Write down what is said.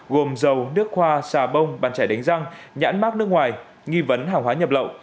gồm dầu nước hoa xà bông bàn trẻ đánh răng nhãn mát nước ngoài nghi vấn hàng hóa nhập lậu